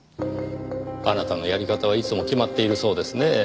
あなたのやり方はいつも決まっているそうですねぇ。